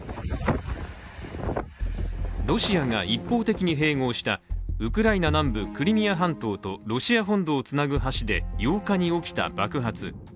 ロシアが一方的に併合したウクライナ南部クリミア半島とロシア本土をつなぐ橋で、８日に起きた爆発。